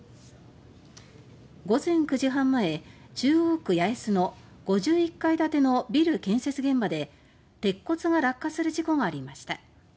午前９時半前、中央区八重洲の５１階建てのビル建設現場で鉄骨が落下する事故がありました。